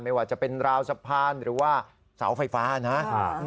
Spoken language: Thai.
ไม่ว่าจะเป็นราวสะพานหรือว่าเสาไฟฟ้านะ